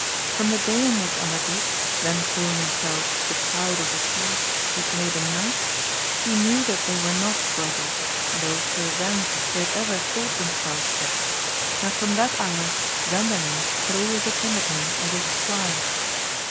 From the day on which Amadis, then calling himself the Child of the Sea, was made a knight, he knew that they were not brothers, though till then they had ever thought themselves such, and from that hour Ganda lin had always attended him as his squire.